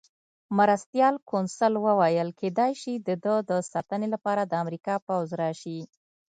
مرستیال کونسل وویل: کېدای شي د ده د ساتنې لپاره د امریکا پوځ راشي.